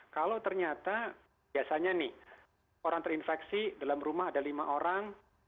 kalau ternyata biasanya nih orang terinfeksi dalam rumah ada lima orang